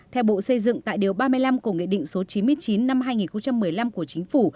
theo bộ xây dựng tại điều ba mươi năm cổ nghệ định số chín mươi chín năm hai nghìn một mươi năm của chính phủ